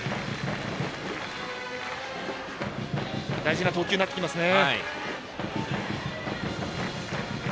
大事な投球になってきますね。